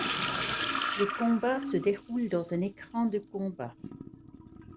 Les combats se déroulent dans un écran de combat.